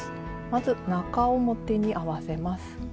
まず中表に合わせます。